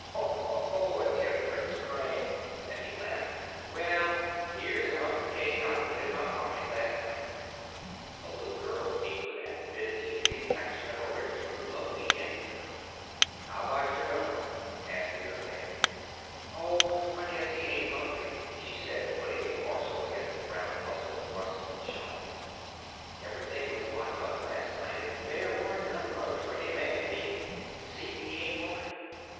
"Oh! a temperance crank," and he laughed. "Well, here's a hunk of cake I put in my pocket last night." The little girl ate with avidity the section of a rich fruit loaf he handed her. "How about your dog?" asked the young man. "Oh, I guess he ain't hungry," she said, putting a morsel against the brown muzzle thrust from the shawl. "Everythin' was locked up last night, an' there warn't enough lunch for him an' me see, he ain't for it.